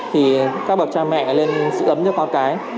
thì các bậc cha mẹ lên sự ấm cho con cái